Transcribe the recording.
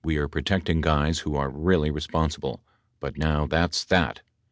[W]e're protecting guys who are really responsible , but now that's that